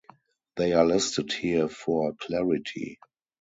They are listed here for clarity.